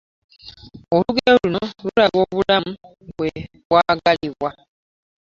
Olugero luno lulaga obulamu bwe bwagalibwa .